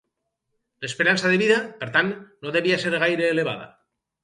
L’esperança de vida, per tant, no devia ser gaire elevada.